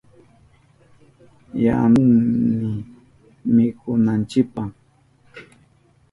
Yanuhuni mikunanchipa.